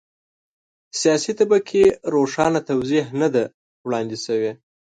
سیاسي طبقې روښانه توضیح نه ده وړاندې شوې.